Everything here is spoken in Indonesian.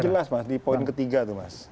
ini jelas mas di poin ketiga itu mas